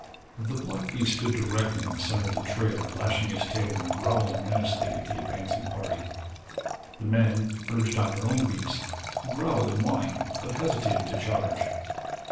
The black beast stood directly in the center of the trail lashing his tail and growling menacingly at the advancing party. The men urged on their own beasts, who growled and whined but hesitated to charge.